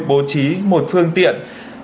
bố trí một phương tiện